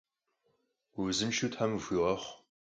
Узыншэу тхьэм къыфхуигъэхъу!